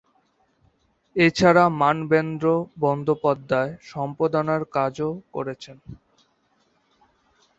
এ ছাড়া মানবেন্দ্র বন্দ্যোপাধ্যায় সম্পাদনার কাজও করেছেন।